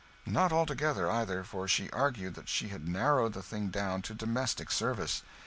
Not altogether, either; for she argued that she had narrowed the thing down to domestic service.